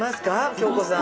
京子さん。